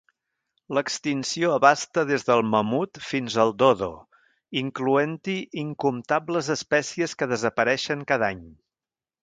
L'extinció abasta des del mamut fins al dodo, incloent-hi incomptables espècies que desapareixen cada any.